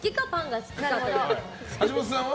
橋本さんは？